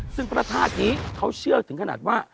ซึ่งพระธาตุนี้เขาเชื่อถึงขนาดว่า